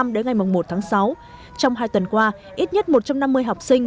đến ngày một tháng sáu trong hai tuần qua ít nhất một trăm năm mươi học sinh